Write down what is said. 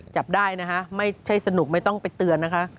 จับได้นะคะไม่ใช่สนุกไม่ต้องไปเตือนนะคะ